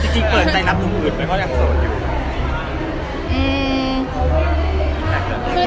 จริงเปิดใจนับทุกไปก็ยังโสดอยู่